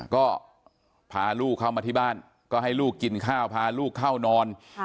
ก็พาลูกเข้ามาที่บ้านก็ให้ลูกกินข้าวพาลูกเข้านอน